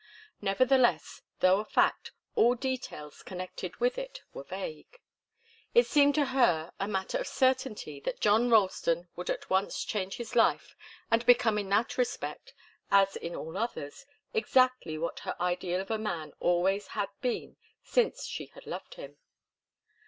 Nevertheless, though a fact, all details connected with it were vague. It seemed to her a matter of certainty that John Ralston would at once change his life and become in that respect, as in all others, exactly what her ideal of a man always had been since she had loved him.